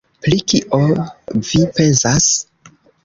“Pri kio vi pensas?”